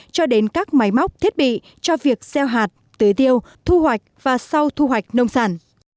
cho đến các máy móc thiết bị cho việc gieo hạt tưới tiêu thu hoạch và sau thu hoạch nông sản